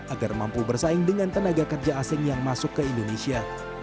agar mampu bersaing dengan tenaga kerja asing yang masuk ke indonesia